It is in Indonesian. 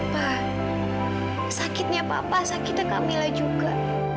pak sakitnya papa sakitnya kamila juga